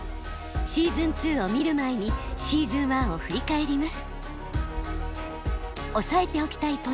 シーズン２を見る前にシーズン１を振り返ります。